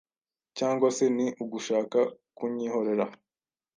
Cyangwa se ni ugushaka kunyihorera!